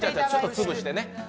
ちょっと潰してね。